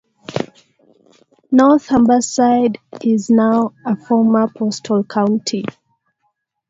North Humberside is now a "former postal county".